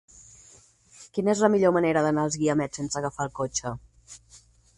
Quina és la millor manera d'anar als Guiamets sense agafar el cotxe?